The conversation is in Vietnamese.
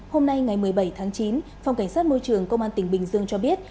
hôm nay ngày một mươi bảy tháng chín phòng cảnh sát môi trường công an tỉnh bình dương cho biết